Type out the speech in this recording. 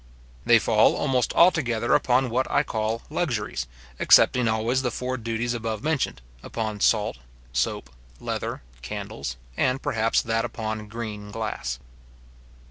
They fall almost altogether upon what I call luxuries, excepting always the four duties above mentioned, upon salt, soap, leather, candles, and perhaps that upon green glass.